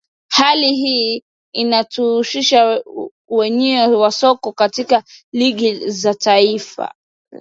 Hali hii inashusha uwiano wa soka katika ligi za kitaifa